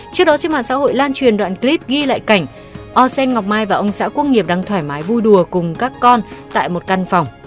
trước đó trên mạng xã hội lan truyền đoạn clip ghi lại cảnh o sen ngọc mai và ông xã quốc nghiệp đang thoải mái vui đùa cùng các con tại một căn phòng